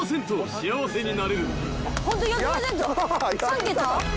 ３桁？